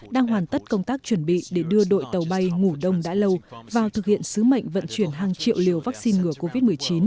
đang hoàn tất công tác chuẩn bị để đưa đội tàu bay ngủ đông đã lâu vào thực hiện sứ mệnh vận chuyển hàng triệu liều vaccine ngừa covid một mươi chín